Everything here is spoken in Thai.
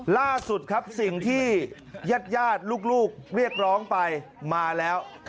ล่าสุดครับสิ่งที่ญาติลูกเรียกร้องไปมาแล้ว